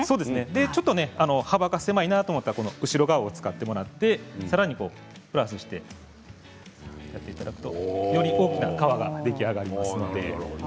ちょっと幅が狭いなと思ったら後ろ側を使ってさらにプラスしていただくとより大きな川が出来上がります。